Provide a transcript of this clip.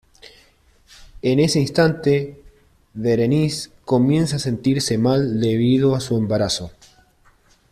En ese instante, Daenerys comienza a sentirse mal debido a su embarazo.